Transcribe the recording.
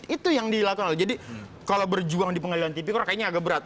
itu yang dilakukan jadi kalau berjuang di pengadilan tipikor kayaknya agak berat